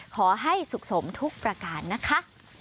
ขอให้สุขสมทุกประการนะคะ